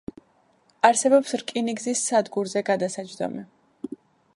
არსებობს რკინიგზის სადგურზე გადასაჯდომი.